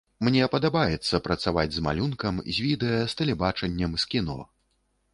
Мне падабаецца працаваць з малюнкам, з відэа, з тэлебачаннем, з кіно.